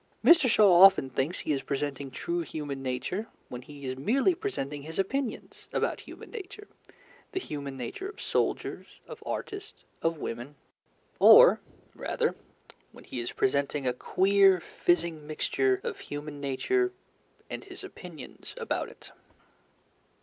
Mr. Shaw often thinks he is presenting true human nature when he is merely presenting his opinions about human nature the human nature of soldiers, of artists, of women. Or, rather, when he is presenting a queer fizzing mixture of human nature and his opinions about it.